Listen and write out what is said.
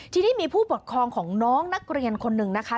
ทีนี้มีผู้ปกครองของน้องนักเรียนคนหนึ่งนะคะ